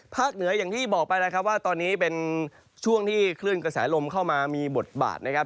เหนืออย่างที่บอกไปแล้วครับว่าตอนนี้เป็นช่วงที่คลื่นกระแสลมเข้ามามีบทบาทนะครับ